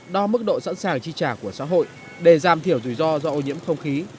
đo mức độ sẵn sàng chi trả của xã hội để giảm thiểu rủi ro do ô nhiễm không khí